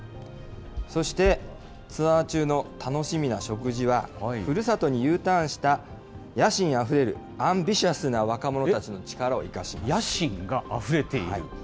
そしてツアー中の楽しみな食事は、ふるさとにＵターンした野心あふれるアンビシャスな若者の力を生野心があふれている。